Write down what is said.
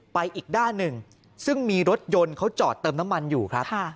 อีกด้านหนึ่งซึ่งมีรถยนต์เขาจอดเติมน้ำมันอยู่ครับ